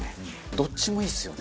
どっちもいいですよね。